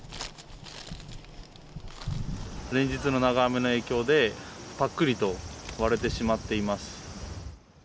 連日の長雨の影響で、ぱっくりと割れてしまっています。